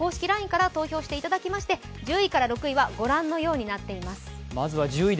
ＬＩＮＥから投票していただきまして、１０位から６位はご覧のようになっています。